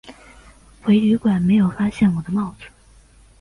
回旅馆没有发现我的帽子